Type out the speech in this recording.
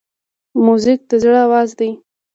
موزیک د زړه آواز دی.